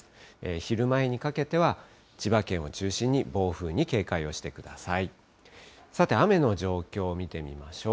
昼前にかけては、千葉県を中心に暴風に警戒をしてください。